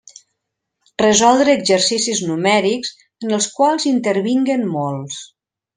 Resoldre exercicis numèrics en els quals intervinguen mols.